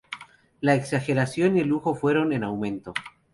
La exageración y el lujo fueron en aumento.